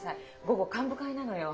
午後幹部会なのよ。